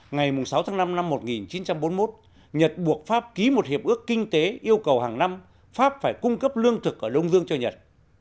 ngày sáu tháng năm năm một nghìn chín trăm bốn mươi một nhật buộc pháp ký một hiệp ước kinh tế yêu cầu hàng năm pháp phải cung cấp lương thực ở đông dương cho nhật